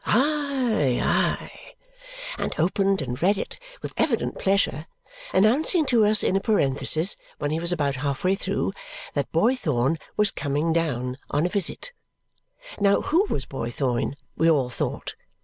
Aye, aye!" and opened and read it with evident pleasure, announcing to us in a parenthesis when he was about half way through, that Boythorn was "coming down" on a visit. Now who was Boythorn, we all thought.